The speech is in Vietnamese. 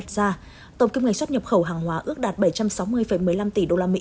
báo cáo đưa ra tổng kinh ngành xuất nhập khẩu hàng hóa ước đạt bảy trăm sáu mươi một mươi năm tỷ usd